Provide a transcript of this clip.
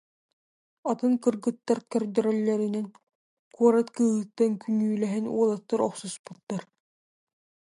Атын кыргыттар көрдөрөллөрүнэн, куорат кыыһыттан күнүүлэһэн уолаттар охсуспуттар